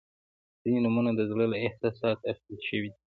• ځینې نومونه د زړه له احساساتو اخیستل شوي دي.